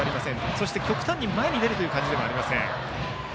そして、極端に前に出るという感じではありません。